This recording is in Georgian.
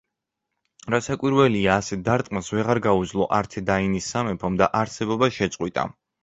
რასაკვირველია, ასეთ დარტყმას ვეღარ გაუძლო ართედაინის სამეფომ და არსებობა შეწყვიტა.